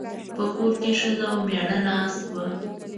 په کور کې ښځه او مېړه ناست وو.